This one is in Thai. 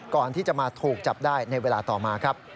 ก่อนที่จะมาถูกจับได้ในเวลาต่อมาครับ